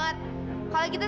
kalau gitu saya akan memberi